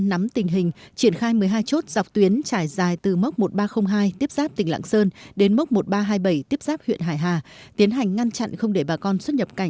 nắm tình hình triển khai một mươi hai chốt dọc tuyến trải dài từ mốc một nghìn ba trăm linh hai tiếp giáp tỉnh lạng sơn đến mốc một nghìn ba trăm hai mươi bảy tiếp giáp huyện hải hà